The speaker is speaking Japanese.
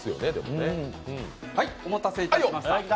お待たせいたしました